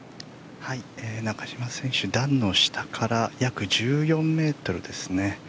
中島選手は段の下から約１４ｍですね。